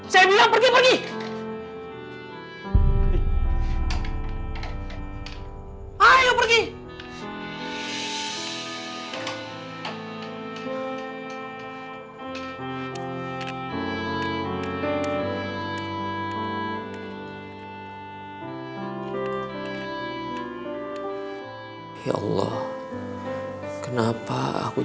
saya bilang pergi pergi